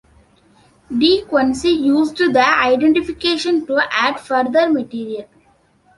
De Quincey used the identification to add further material.